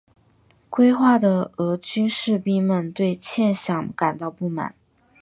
归化的俄军士兵们对欠饷感到不满。